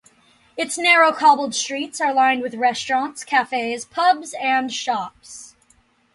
Its narrow cobbled streets are lined with restaurants, cafes, pubs and shops.